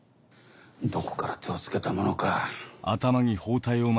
どこから手を付けたものか。